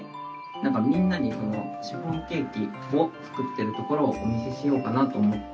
なんかみんなにシフォンケーキを作ってるところをお見せしようかなと思って。